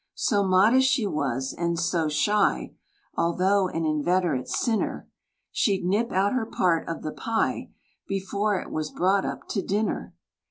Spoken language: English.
So modest she was, and so shy, Although an inveterate sinner, She'd nip out her part of the pie Before it was brought up to dinner.